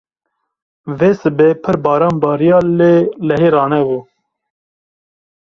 Vê sibê pir baran bariya lê lehî ranebû.